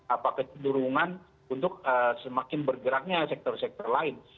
apa kecenderungan untuk semakin bergeraknya sektor sektor lain